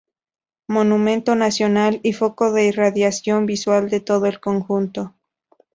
Monumento nacional y foco de irradiación visual de todo el conjunto.